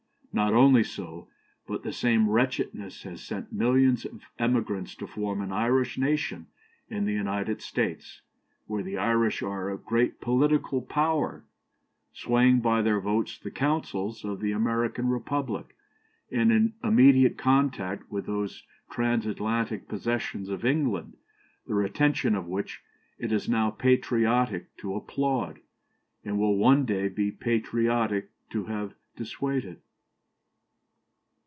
Not only so, but the same wretchedness has sent millions of emigrants to form an Irish nation in the United States, where the Irish are a great political power, swaying by their votes the councils of the American Republic, and in immediate contact with those Transatlantic possessions of England, the retention of which it is now patriotic to applaud, and will one day be patriotic to have dissuaded.